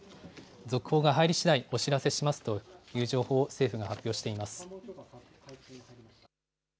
続報が入りしだいお知らせしますという情報を政府が発表しています。